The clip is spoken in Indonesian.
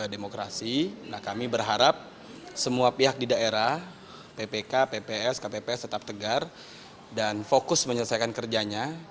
nah kami berharap semua pihak di daerah ppk pps kpps tetap tegar dan fokus menyelesaikan kerjanya